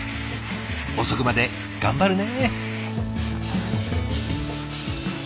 遅くまで頑張るね。